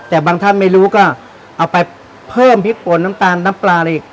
แต่บางท่านไม่รู้ก็เอาไปเพิ่มพริกป่นน้ำตาลน้ำปลาอะไรอีก